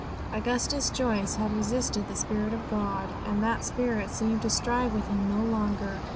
Augustus Joyce had resisted the Spirit of God; and that Spirit seemed to strive with him no longer.